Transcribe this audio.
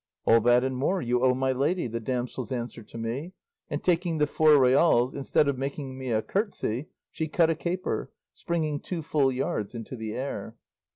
'All that and more, you owe my lady,' the damsel's answer to me, and taking the four reals, instead of making me a curtsey she cut a caper, springing two full yards into the air."